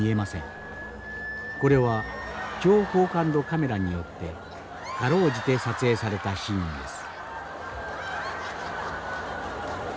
これは超高感度カメラによって辛うじて撮影されたシーンです。